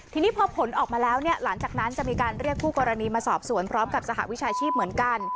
ทีนี้พอผลออกมาแล้วเนี่ยหลังจากนั้นจะมีการเรียกคู่กรณีมาสอบสวนพร้อมกับสหวิชาชีพเหมือนกัน